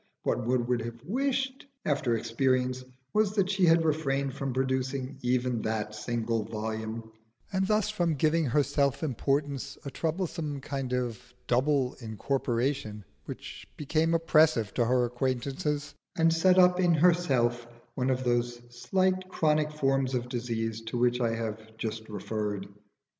What one would have wished, after experience, was that she had refrained from producing even that single volume, and thus from giving her self importance a troublesome kind of double incorporation which became oppressive to her acquaintances, and set up in herself one of those slight chronic forms of disease to which I have just referred.